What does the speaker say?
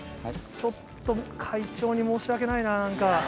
ちょっと会長に申し訳ないな、なんか。